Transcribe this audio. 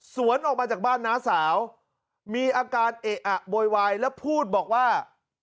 ออกมาจากบ้านน้าสาวมีอาการเอะอะโวยวายแล้วพูดบอกว่า